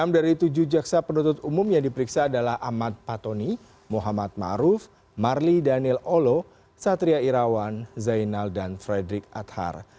enam dari tujuh jaksa penuntut umum yang diperiksa adalah ahmad patoni muhammad maruf marli daniel olo satria irawan zainal dan frederick athar